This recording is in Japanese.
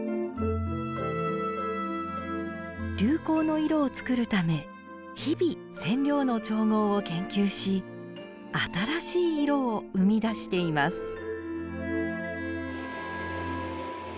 流行の色を作るため日々染料の調合を研究し新しい色を生み出しています